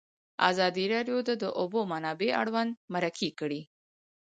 ازادي راډیو د د اوبو منابع اړوند مرکې کړي.